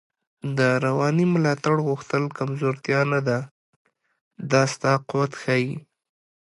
د روانی ملاتړ غوښتل کمزوتیا نده، دا ستا قوت ښایی